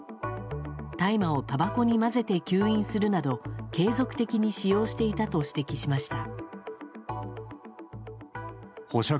大麻をたばこに混ぜて吸引するなど継続的に使用していたと指摘しました。